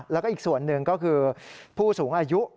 แล้วก็อีกส่วนหนึ่งก็คือผู้สูงอายุ